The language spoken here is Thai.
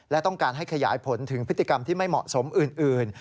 และต้องการให้ขยายผลถึงพฤติกรรมที่ไม่เหมาะสมอื่น